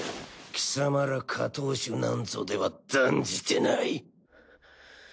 貴様ら下等種なんぞでは断じてない。